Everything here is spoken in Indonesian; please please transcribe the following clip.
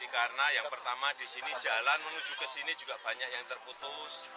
karena yang pertama di sini jalan menuju ke sini juga banyak yang terputus